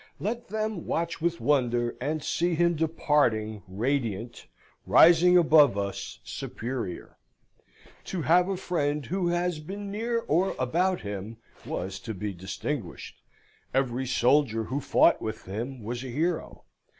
Let them watch with wonder, and see him departing, radiant; rising above us superior. To have a friend who had been near or about him was to be distinguished. Every soldier who fought with him was a hero.